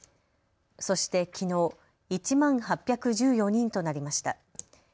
そしてきのう、１万８１４人となりました。